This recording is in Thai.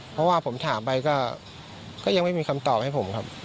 เพราะว่าผมถามไปก็ยังไม่มีคำตอบให้ผมครับ